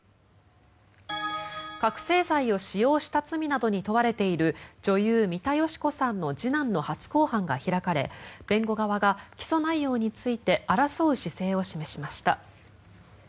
覚醒剤を使用した罪などに問われている女優・三田佳子さんの次男の初公判が開かれ弁護側が起訴内容について争う姿勢を示しました。